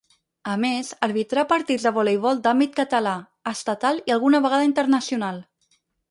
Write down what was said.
A més, arbitrà partits de voleibol d’àmbit català, estatal i alguna vegada internacional.